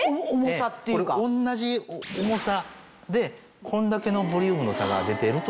これ同じ重さでこんだけのボリュームの差が出てるということ。